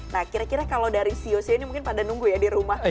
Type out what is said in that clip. nah kira kira kalau dari sio sio ini mungkin pada nunggu ya di rumah